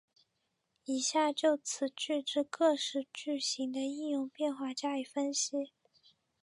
以下就此句之各式句型的应用变化加以分析。